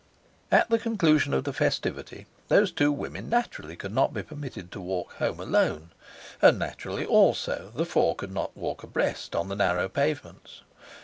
At the conclusion of the festivity these two women naturally could not be permitted to walk home alone. And, naturally, also, the four could not walk abreast on the narrow pavements.